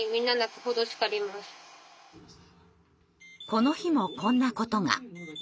この日もこんなことが。